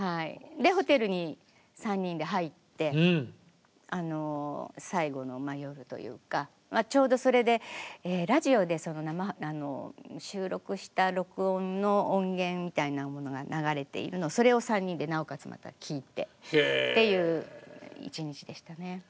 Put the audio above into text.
でホテルに３人で入って最後の夜というかちょうどそれでラジオで収録した録音の音源みたいなものが流れているのそれを３人でなおかつまた聴いてっていう一日でしたね。